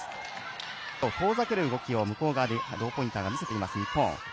遠ざける動きをローポインターが見せています日本。